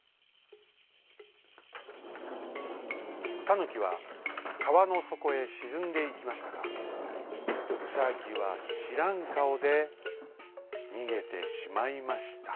タヌキはかわのそこへしずんでいきましたがウサギはしらんかおでにげてしまいましたとさ。